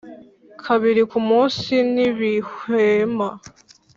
kabiri ku munsi, ntibihwema.